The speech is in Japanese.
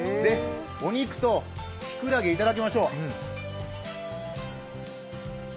お肉ときくらげいただきましょう。